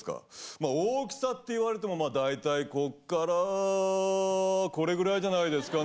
まあ大きさって言われても大体こっからこれぐらいじゃないですかね。